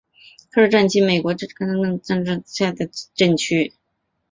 罗克镇区为美国堪萨斯州马歇尔县辖下的镇区。